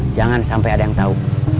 jangan sampai ada yang tahu